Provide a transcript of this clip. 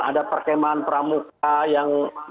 ada perkembangan pramuka yang